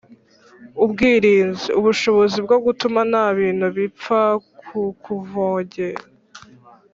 ubwirinzi: ubushobozi bwo gutuma nta bintu bipfa kukuvogera